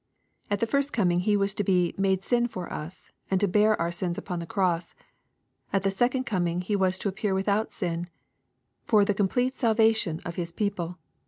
— At the first coming He was to be " made sin for us/' and to bear our sins upon the cross. At the second coming He was to appear without sin, lor the complete salvation of His people.